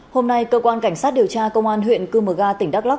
hôm nay cơ quan cảnh sát điều tra công an huyện cư mờ ga tỉnh đắk lắc